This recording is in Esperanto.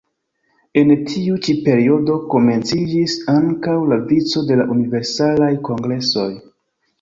En tiu ĉi periodo komenciĝis ankaŭ la vico de la Universalaj Kongresoj.